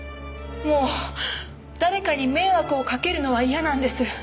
もう誰かに迷惑をかけるのは嫌なんです。